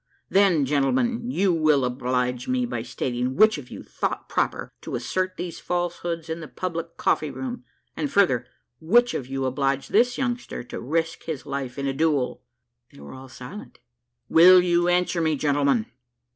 "Then, gentlemen, you will oblige me by stating which of you thought proper to assert these falsehoods in a public coffee room; and further, which of you obliged this youngster to risk his life in a duel?" They were all silent. "Will you answer me, gentlemen?"